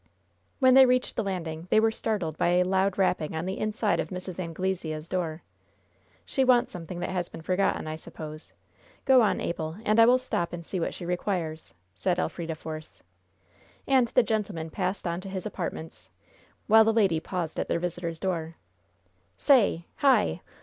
When they reached the landing, they were startled by a loud rapping on the inside of Mrs. Anglesea's door. "She wants something that has been forgotten, I suppose. Go on, Abel, and I will stop and see what she requires," said Elfrida Force. And the gentleman passed on to his apartments, while the lady paused at their visitor's door. "Say! Hi!